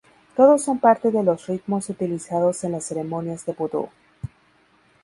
Todos son parte de los ritmos utilizados en las ceremonias de vudú.